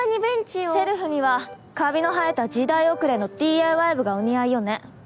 せるふにはカビの生えた時代遅れのＤＩＹ部がお似合いよね。